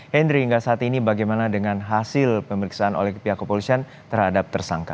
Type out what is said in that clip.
hendri hingga saat ini bagaimana dengan hasil pemeriksaan oleh pihak kepolisian terhadap tersangka